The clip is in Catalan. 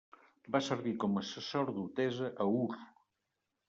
Va servir com a sacerdotessa a Ur.